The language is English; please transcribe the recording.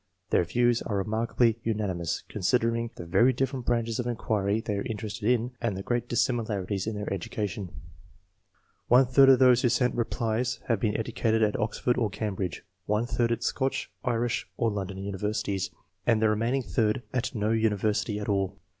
Their views are remark ably unanimous, considering the very difierent branches of inquiry they are interested in, and the great dissimilarities in their education. 236 ENGLISH MEN OF SCIENCE. [chap. One third of those who sent replies have been educated at Oxford or Cambridge, one third at Scotch, Irish, or London universities, and the remaining third at no university at all.